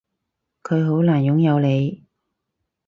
佢好想擁有你